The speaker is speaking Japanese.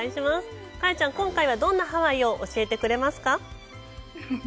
カヤちゃん、今回はどんなハワイを教えてくれますか？